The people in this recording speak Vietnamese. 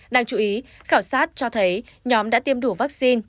đáng chú ý khảo sát cho thấy nhóm đã tiêm đủ vaccine